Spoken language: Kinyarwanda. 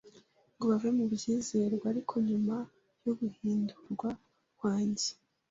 ngo bave mu byizerwa. Ariko nyuma yo guhindurwa kwanjye